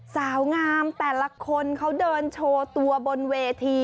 สาวงามแต่ละคนเขาเดินโชว์ตัวบนเวที